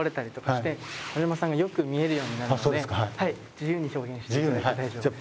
自由に表現して頂いて大丈夫です。